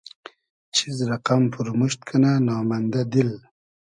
چیز رئقئم پورموشت کئنۂ نامئندۂ دیل